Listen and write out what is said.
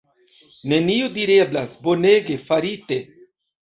Nenio direblas, bonege farite!